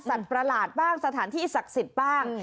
ประหลาดบ้างสถานที่ศักดิ์สิทธิ์บ้าง